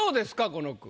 この句。